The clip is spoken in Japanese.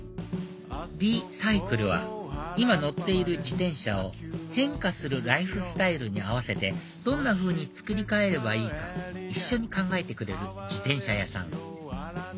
狸サイクルは今乗っている自転車を変化するライフスタイルに合わせてどんなふうに作り替えればいいかを一緒に考えてくれる自転車屋さん